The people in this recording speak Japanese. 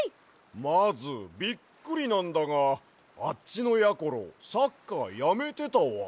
まずびっくりなんだがあっちのやころサッカーやめてたわ。